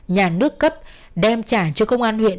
nhà nước cấp đem trả cho công an huyện